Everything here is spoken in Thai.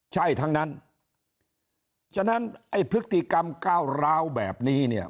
ใช่ทั้งนั้นฉะนั้นไอ้พฤติกรรมก้าวร้าวแบบนี้เนี่ย